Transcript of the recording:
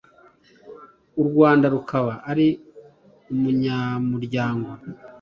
u rwanda rukaba ari umunyamuryango